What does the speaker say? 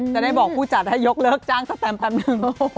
จะได้บอกผู้จัดให้ยกเลิกจ้างสแตมแป๊บหนึ่ง